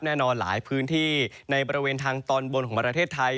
แน่นอนหลายพื้นที่ในบริเวณทางตอนบนของประเทศไทย